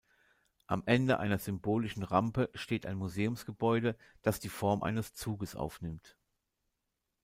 Am Ende einer symbolischen Rampe steht ein Museumsgebäude, das die Form eines Zuges aufnimmt.